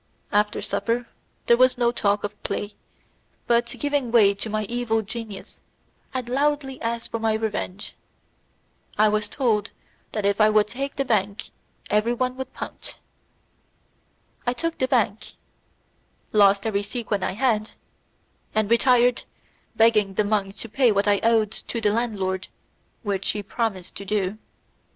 After supper there was no talk of play, but giving way to my evil genius I loudly asked for my revenge. I was told that if I would take the bank everyone would punt. I took the bank, lost every sequin I had, and retired, begging the monk to pay what I owed to the landlord, which he promised to do.